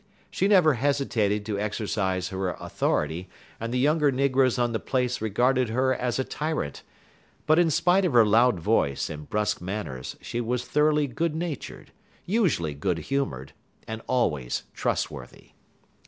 She never hesitated to exercise her authority, and the younger negroes on the place regarded her as a tyrant; but in spite of her loud voice and brusque manners she was thoroughly good natured, usually good humored, and always trustworthy.